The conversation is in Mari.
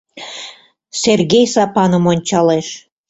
— Сергей Сапаным ончалеш.